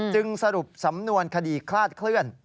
สรุปสำนวนคดีคลาดเคลื่อน